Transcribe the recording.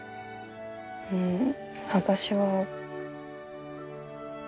うん私は。